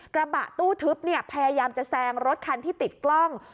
กระบะตู้ทึบพยายามจะแซงรถคันที่ติดกล้อง